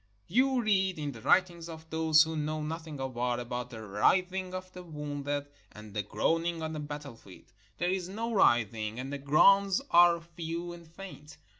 You read, in the writings of those who know nothing of war, about the writhing of the wounded, and the groaning on the battlefield. There is no writhing, and the groans are few and faint.